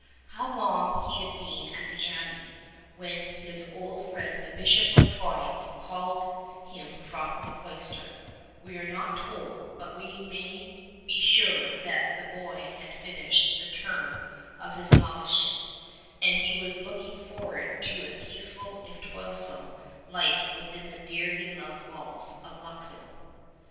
How long he had been at the abbey when his old friend the Bishop of Troyes called him from the cloister, we are not told, but we may be sure that the boy had finished the term of his noviceship, and was looking forward to a peaceful if toilsome life within the dearly loved walls of Luxeuil.